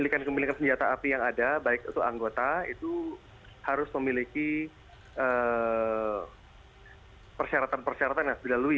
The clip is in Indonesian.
pemilikan pemilikan senjata api yang ada baik itu anggota itu harus memiliki persyaratan persyaratan yang harus dilalui